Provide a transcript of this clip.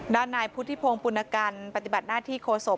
ด้านนายพุทธิพงศ์ปุณกันปฏิบัติหน้าที่โคศก